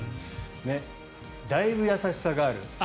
だいぶ優しさがある。